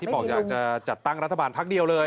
บอกอยากจะจัดตั้งรัฐบาลพักเดียวเลย